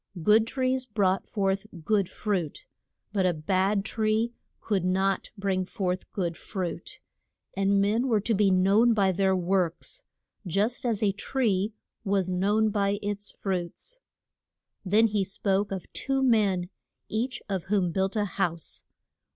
Good trees brought forth good fruit; but a bad tree could not bring forth good fruit. And men were to be known by their works, just as a tree was known by its fruits. Then he spoke of two men, each of whom built a house.